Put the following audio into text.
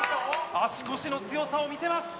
足腰の強さを見せます。